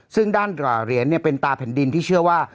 ซึ่งด้านเหรียญเป็นตาแผ่นดินที่เชื่อว่า